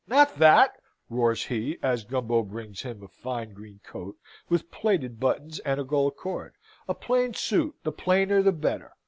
"Not that!" roars he, as Gumbo brings him a fine green coat with plated buttons and a gold cord. "A plain suit the plainer the better!